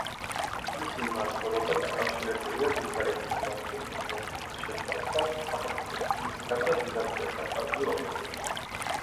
მისი მმართველობა დაკავშირებულია ბულგარეთის მმართველი დინასტიის შეცვლასთან, სახელმწიფოს კრიზისთან და ბიზანტიასთან ხანგრძლივ ომთან.